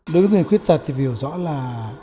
đối với người khuyết tật thì hiểu rõ là